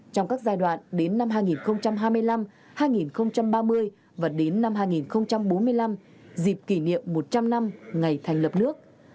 trong các giai đoạn đến năm hai nghìn hai mươi năm hai nghìn ba mươi và đến năm hai nghìn bốn mươi năm dịp kỷ niệm một trăm linh năm ngày thành lập nước